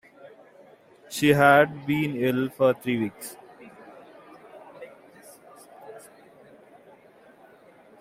She had been ill for three weeks.